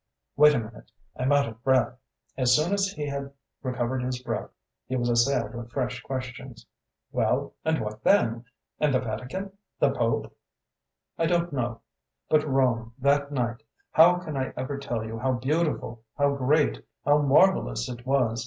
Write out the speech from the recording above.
"Wait a minute, I'm out of breath"... As soon as he had recovered his breath he was assailed with fresh questions. "Well, and what then? And the Vatican ? The Pope ?" "I don't know. But Rome that night... how can I ever tell you how beautiful, how great, how marvellous it was!